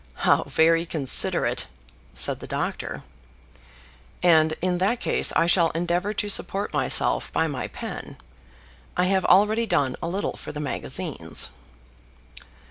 ("How very considerate!" said the doctor.) And in that case I shall endeavour to support myself by my pen. I have already done a little for the magazines.